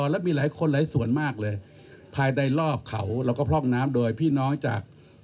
แล้วมีหลายคนหลายส่วนมากเลยภายในรอบเขาแล้วก็พร่องน้ำโดยพี่น้องจาก